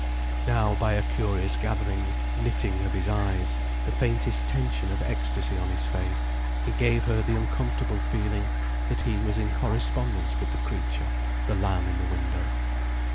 Now, by a curious gathering, knitting of his eyes, the faintest tension of ecstasy on his face, he gave her the uncomfortable feeling that he was in correspondence with the creature, the lamb in the window.